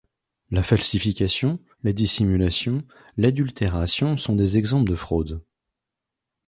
La falsification, la dissimulation, l'adultération sont des exemples de fraude.